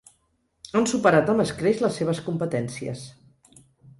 Han superat amb escreix les seves competències.